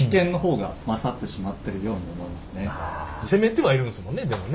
攻めてはいるんですもんねでもね。